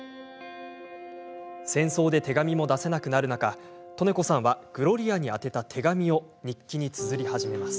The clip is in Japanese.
戦争で手紙も出せなくなる中利根子さんはグロリアに宛てた手紙を日記につづり始めます。